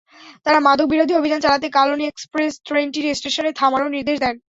তাঁরা মাদকবিরোধী অভিযান চালাতে কালনী এক্সপ্রেস ট্রেনটি স্টেশনে থামানোর নির্দেশ দেন।